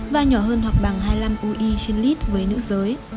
và nhỏ hơn hoặc bằng hai mươi năm ue trên lít với nữ giới